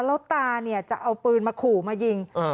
แล้วตาเนี่ยจะเอาปืนมาขู่มายิง